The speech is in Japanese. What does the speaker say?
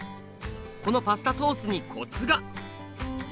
このパスタソースにコツが！